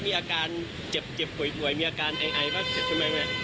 มีอาการเจ็บป่วยมีอาการไอมากเสร็จใช่ไหม